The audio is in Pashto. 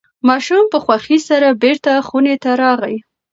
ماشوم په خوښۍ سره بیرته خونې ته راغی.